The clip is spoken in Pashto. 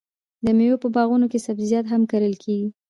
د میوو په باغونو کې سبزیجات هم کرل کیږي.